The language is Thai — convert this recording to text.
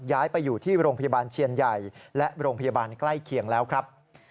ย้ายไปอยู่ที่โรงพยาบาลเชียนใหญ่และโรงพยาบาลใกล้เคียงแล้วครับ